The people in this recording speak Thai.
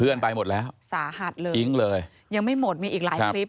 เพื่อนไปหมดแล้วสาหัสเลยจิ๊งเลยยังไม่หมดมีอีกหลายคลิปครับ